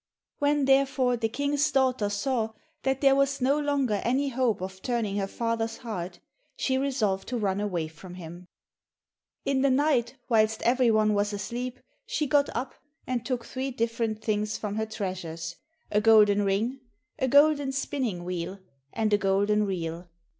When, therefore, the King's daughter saw that there was no longer any hope of turning her father's heart, she resolved to run away from him. In the night whilst every one was asleep, she got up, and took three different things from her treasures, a golden ring, a golden spinning wheel, and a golden reel.